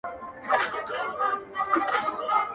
o چي ورور ئې نه کې، پر سپور بې نه کې٫